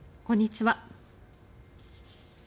こんにちは。